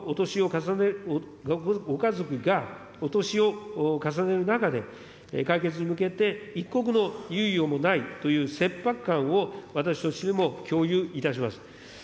ご家族がお年を重ねる中で、解決に向けて一刻の猶予もないという切迫感を私としても共有いたします。